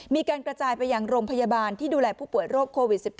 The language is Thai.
มีการกระจายไปยังโรงพยาบาลที่ดูแลผู้ป่วยโรคโควิด๑๙